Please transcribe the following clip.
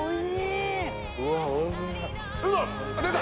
うわっおいしい。